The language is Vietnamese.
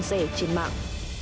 rẻ trên mạng